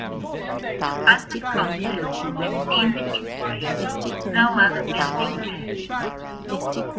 The apartment complex had seen the history as no other building had.